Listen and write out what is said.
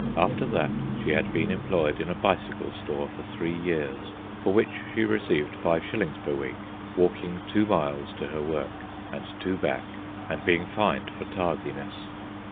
After that she had been employed in a bicycle store for three years, for which she received five shillings per week, walking two miles to her work, and two back, and being fined for tardiness.